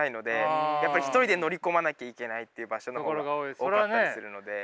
やっぱり一人で乗り込まなきゃいけないっていう場所の方が多かったりするので。